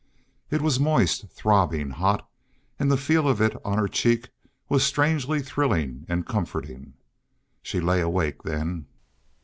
It was moist, throbbing, hot, and the feel of it on her cheek was strangely thrilling and comforting. She lay awake then.